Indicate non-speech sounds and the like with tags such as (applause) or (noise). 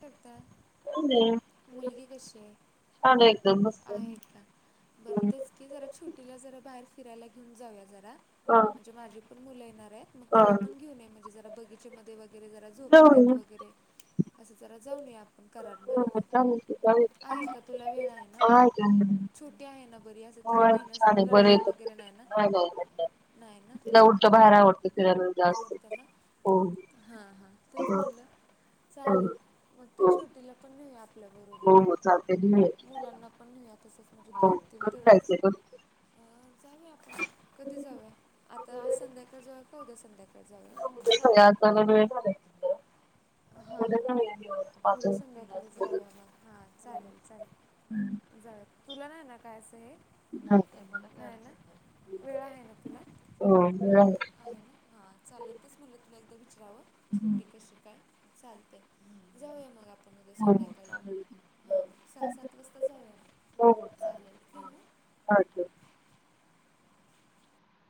करता (inaudible) मुलगी कशी आहे. एकदम मस्त आहे का बरं तेच ह की जरा छोटीला जरा बाहेर फि फिलायला घेऊन जाऊया जरा म्हणजे माझी पण मुलं येणार मग तिला ह पण घेऊन या म्हणजे ज बगीचे मध्ये वगैरे जरा झोपाळ्यात जाऊया वगैरे असं जरा जाऊ आपण कराडा हो चालेल की (unintelligible) जाऊया आहे का तुला वेळ आहे ना हाय का छो ते आहे ना बरी असं तिला होय छान नेण्यासारं रडणार वगैरे नायं ना. नाही ना? त उलट बाहेर आवडत फिरायला जास्त हो तेचं हो म्हणलं हो चालेल, मग तर हो छोटीला पण मी आपल्या बरोबर हो हो चालतंय घेऊया की मुलांना पण न्हीवूया तसच. हो कॉल करायचं यत अ, जाऊया आपण, कधी जाऊया आता आज संध्याकाळी जाऊया का उद्या सं काय जावूया? उद्या जाऊया आज जरा वेळ झालाय तिथं. हा उद्या हा. जाऊया निवांत पाच उद्या वाजता संध्याकाळी जाऊया मग, हा चालेल चालेल. जाय तुला नाही ना काय आसं हे? नाही ना? वेळ आहे ना तुला? हो वेळ आहे ना? हा चालेल, तेचं म्हणलं तुला एकदा विचारावं छोटी कशी काय? चालतय जाऊया मग आप हो हो चाललल. हा सहा सात वाजता जाऊया, चालेल ठेवू मग. अच्छे